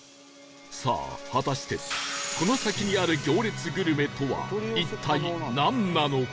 さあ果たしてこの先にある行列グルメとは一体なんなのか？